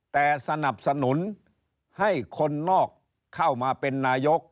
แต่สนับสนุนให้คนนอกเข้ามาเป็นนายก